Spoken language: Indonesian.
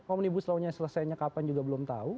omnibus lawannya selesainya kapan juga belum tahu